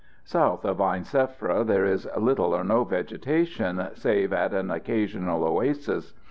South of Ain Sefra there is little or no vegetation, save at an occasional oasis.